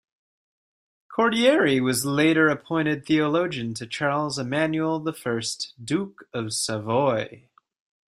Cordieri was later appointed theologian to Charles Emmanuel I, Duke of Savoy.